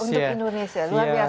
untuk indonesia luar biasa